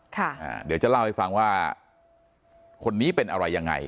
เดี๋ยวจะเล่าให้ฟังว่าคนนี้เป็นอะไรยังไง